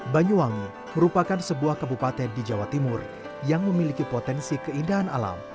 banyuwangi merupakan sebuah kebupaten di jawa timur yang memiliki potensi keindahan alam